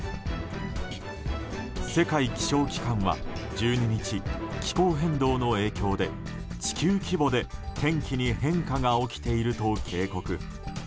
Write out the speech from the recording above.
世界気象機関は１２日気候変動の影響で地球規模で天気に変化が起きていると警告。